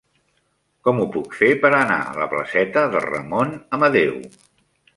Com ho puc fer per anar a la placeta de Ramon Amadeu?